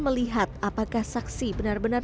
melihat apakah saksi benar benar